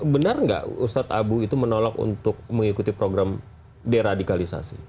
benar nggak ustadz abu itu menolak untuk mengikuti program deradikalisasi